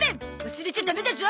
忘れちゃダメだゾ！